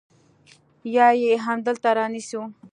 يا يې همدلته رانيسو.